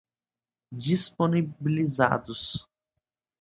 disponibilizados